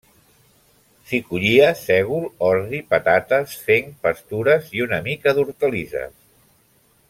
S'hi collia sègol, ordi, patates, fenc, pastures i una mica d'hortalisses.